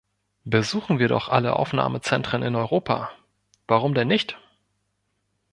Besuchen wir doch alle Aufnahmezentren in Europa – warum denn nicht?